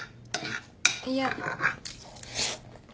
いや。